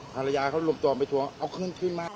ภรรยาเขาลงตัวไปทวงเอาเครื่องชื่นมา